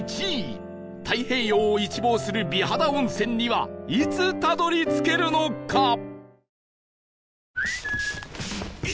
１位太平洋を一望する美肌温泉にはいつたどり着けるのか？